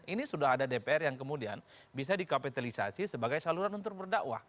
ini sudah ada dpr yang kemudian bisa dikapitalisasi sebagai saluran untuk berdakwah